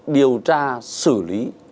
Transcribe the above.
điều tra xử lý